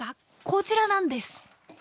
こちらなんです。